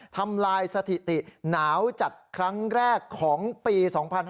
ทำลายสถิติหนาวจัดครั้งแรกของปี๒๕๕๙